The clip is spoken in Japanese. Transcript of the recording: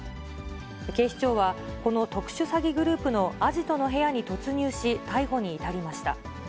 警視庁は、この特殊詐欺グループのアジトの部屋に突入し、逮捕に至りました。